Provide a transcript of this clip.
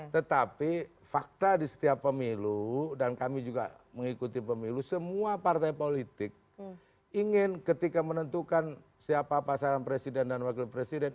tetapi fakta di setiap pemilu dan kami juga mengikuti pemilu semua partai politik ingin ketika menentukan siapa pasangan presiden dan wakil presiden